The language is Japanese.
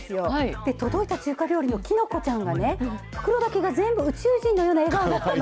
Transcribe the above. で、届いた中華料理のきのこちゃんがね、ふくろだけが全部のような笑顔だったの。